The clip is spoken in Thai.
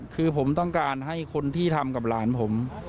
คือผมต้องการให้คนที่ทำกับหลานผม